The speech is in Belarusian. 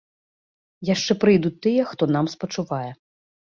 Яшчэ прыйдуць тыя, хто нам спачувае.